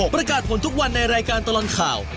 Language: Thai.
ประกาศผลทุกวันในรายการตลอดข่าว